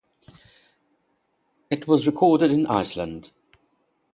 It was recorded in Iceland.